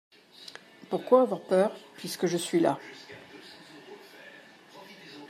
Pouquoi avoir peur puisque je suis là ?